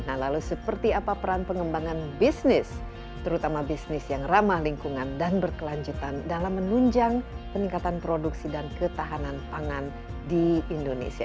nah lalu seperti apa peran pengembangan bisnis terutama bisnis yang ramah lingkungan dan berkelanjutan dalam menunjang peningkatan produksi dan ketahanan pangan di indonesia